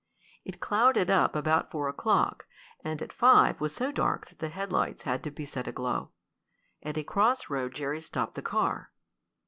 It clouded up about four o'clock, and at five was so dark that the headlights had to be set aglow. At a cross road Jerry stopped the car.